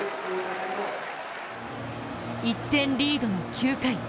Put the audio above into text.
１点リードの９回。